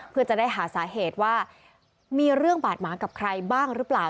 เพื่อจะได้หาสาเหตุว่ามีเรื่องบาดหมางกับใครบ้างหรือเปล่า